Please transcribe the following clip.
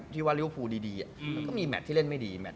ความดรอบหมายเปิด